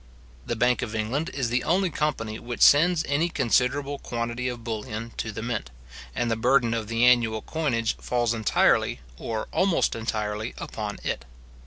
The bank of England is the only company which sends any considerable quantity of bullion to the mint, and the burden of the annual coinage falls entirely, or almost entirely, upon it.